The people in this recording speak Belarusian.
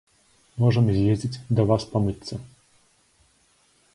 Можам з'ездзіць да вас памыцца.